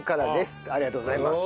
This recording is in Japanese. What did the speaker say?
ありがとうございます。